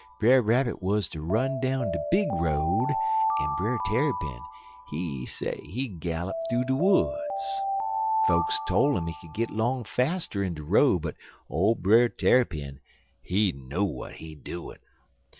Brer Rabbit wuz ter run down de big road, en Brer Tarrypin, he say he'd gallup thoo de woods. Fokes tole 'im he could git long faster in de road, but ole Brer Tarrypin, he know w'at he doin'.